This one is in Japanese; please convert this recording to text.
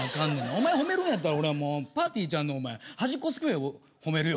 お前褒めるんやったら俺はもうぱーてぃーちゃんのお前はじっこを褒めるよ